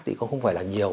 thì không phải là nhiều